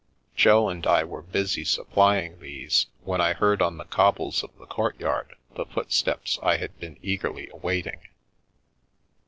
Jo and I were busy supplying these, when I heard on the cobbles of the courtyard the footsteps I had been eagerly awaiting.